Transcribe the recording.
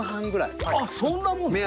あっそんなもんですか？